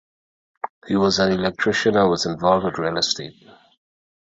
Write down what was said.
He was an electrician and was involved with real estate.